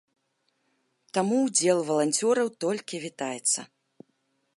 Таму ўдзел валанцёраў толькі вітаецца.